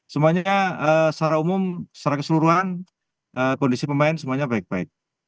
semuanya secara umum secara keseluruhan kondisi pemain semuanya baik baik